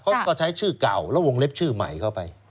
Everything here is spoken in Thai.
เขาก็ใช้ชื่อเก่าแล้ววงเล็บชื่อใหม่เข้าไป